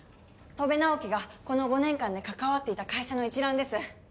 戸部直樹がこの５年間で関わっていた会社の一覧です。